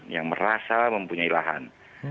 yang merasa mempunyai lahan